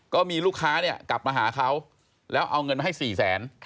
ก็มีลูกค้าเนี่ยกลับมาหาเขาแล้วเอาเงินมาให้๔แสน